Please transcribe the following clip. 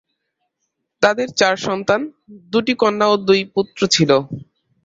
তাদের চার সন্তান, দুটি কন্যা ও দুই পুত্র ছিল।